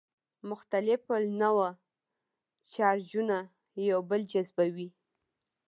مختلف النوع چارجونه یو بل جذبوي.